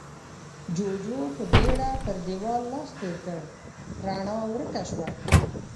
جُوجُو په بيړه پر دېوال لاس تېر کړ، رڼا ورکه شوه.